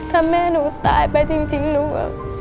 ถ้าแม่หนูตายไปจริงแล้ว